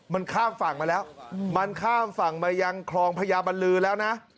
มันข้ามฝั่งมาแล้วมันข้ามฝั่งมายังคลองพญาบันลือแล้วนะ